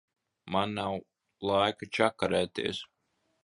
Man nav laika čakarēties.